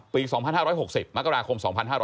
ปี๒๕๖๐มกราคม๒๕๖๐